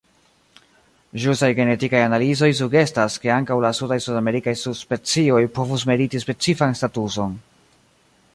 Ĵusaj genetikaj analizoj sugestas, ke ankaŭ la sudaj sudamerikaj subspecioj povus meriti specifan statuson.